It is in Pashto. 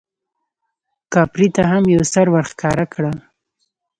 کاپري ته هم یو سر ورښکاره کړه.